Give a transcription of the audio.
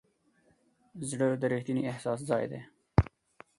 زړه د ریښتیني احساس ځای دی.